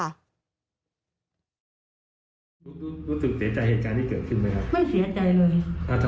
รู้สึกเสียใจเหตุการณ์ที่เกิดขึ้นมั้ยครับ